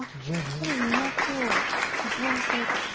黒２目を切断すると。